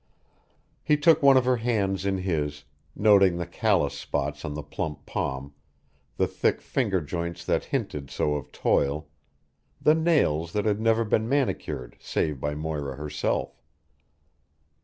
He took one of her hands in his, noting the callous spots on the plump palm, the thick finger joints that hinted so of toil, the nails that had never been manicured save by Moira herself.